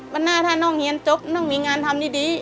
วันหน้าถ้านางบารมาสิบนางมีงานทำดี